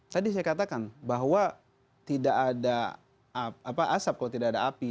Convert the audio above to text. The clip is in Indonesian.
tadi saya katakan bahwa tidak ada asap kalau tidak ada api